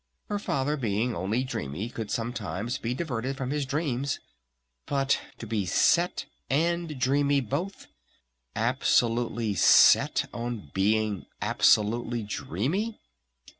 Her Father being only dreamy could sometimes be diverted from his dreams! But to be 'set' and 'dreamy' both? Absolutely 'set' on being absolutely 'dreamy'?